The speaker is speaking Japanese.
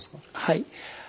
はい。